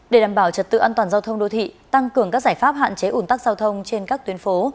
để đảm bảo trật tự an toàn giao thông đô thị tăng cường các giải pháp hạn chế ủn tắc giao thông trên các tuyến phố